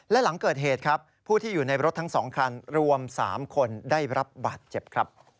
และหลังเกิดเหตุครับผู้ที่อยู่ในรถทั้ง๒คันรวม๓คนได้รับบาดเจ็บครับ